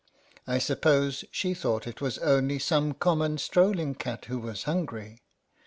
I suppose she thought it was only some common strolling cat who was hungry.